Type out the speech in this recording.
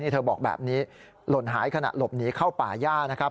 เธอบอกแบบนี้หล่นหายขนาดหลบหนีเข้าป่าย่า